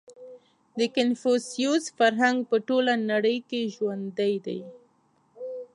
• د کنفوسیوس فرهنګ په ټوله نړۍ کې ژوندی دی.